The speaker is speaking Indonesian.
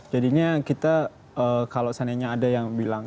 jadinya kita kalau seandainya ada yang bilang